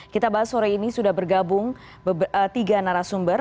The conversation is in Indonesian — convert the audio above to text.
kita bahas sore ini sudah bergabung tiga narasumber